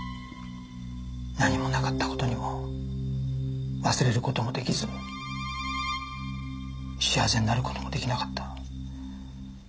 何もなかった事にも忘れる事もできず幸せになる事もできなかった。